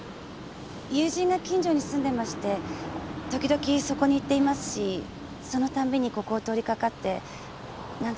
友人が近所に住んでまして時々そこに行っていますしそのたびにここを通りかかってなんだか気になって。